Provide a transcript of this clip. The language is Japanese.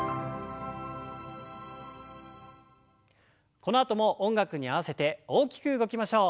このあとも音楽に合わせて大きく動きましょう。